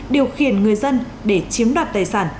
điều khiển người dân để chiếm đoạt tài sản